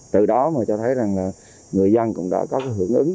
từ đó mà cho thấy rằng là người dân cũng đã có cái hưởng ứng